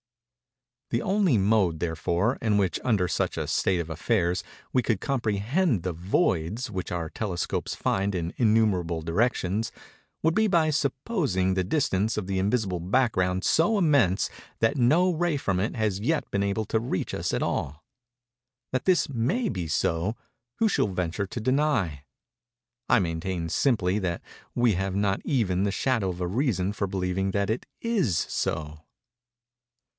_ The only mode, therefore, in which, under such a state of affairs, we could comprehend the voids which our telescopes find in innumerable directions, would be by supposing the distance of the invisible background so immense that no ray from it has yet been able to reach us at all. That this may be so, who shall venture to deny? I maintain, simply, that we have not even the shadow of a reason for believing that it is so.